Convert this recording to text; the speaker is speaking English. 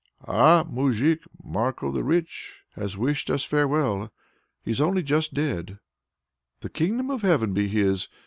"Ah, moujik, Marko the Rich has wished us farewell; he's only just dead." "The kingdom of heaven be his!